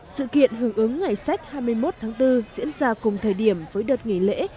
sự kiện hưởng ứng ngày sách hai mươi một tháng bốn diễn ra cùng thời điểm với đợt nghỉ lễ